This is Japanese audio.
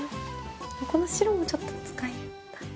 この白もちょっと使いたい。